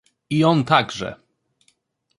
"I on także!"